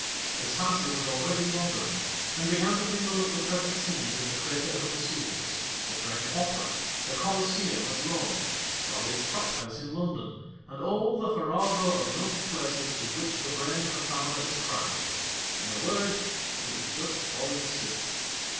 His fancy was already wandering, and began to mingle up the present scene with the crater of Vesuvius, the French Opera, the Coliseum at Eome, Dolly's Chop house in London, and all the farrago of noted places with which the brain of a traveller is crammed ; in a word, he was just falling asleep."